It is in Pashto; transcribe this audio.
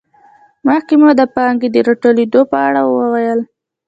مخکې مو د پانګې د راټولېدو په اړه وویل